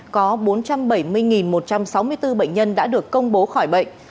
có bốn trăm bảy mươi một trăm sáu mươi bốn bệnh nhân đã được công bố khỏi bệnh